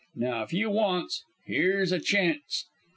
Now if you wants, 'ere's a chanst.